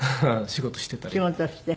仕事して。